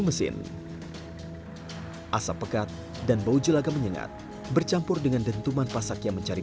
mesin asap pekat dan bau jelaga menyengat bercampur dengan dentuman pasak yang mencari